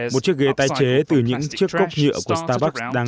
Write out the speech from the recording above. một chiếc ghế tái chế từ những chiếc cốc nhựa của starbax